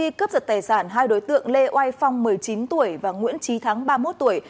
khi cướp giật tài sản hai đối tượng lê phong một mươi chín tuổi và nguyễn trí thắng ba mươi một tuổi